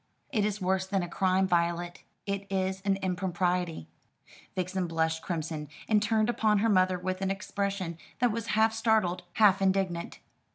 "It is worse than a crime, Violet; it is an impropriety." Vixen blushed crimson, and turned upon her mother with an expression that was half startled, half indignant.